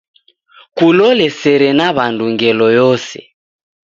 Kulole sere na wandu ngelo yose.